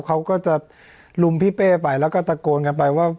เขาก็จะลุมพี่เป้ไปแล้วก็ตะโกนกันไปว่า